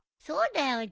そうだよ